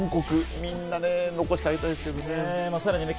みんな残してあげたいですけどね。